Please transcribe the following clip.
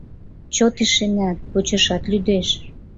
Чот ишенат, почашат лӱдеш.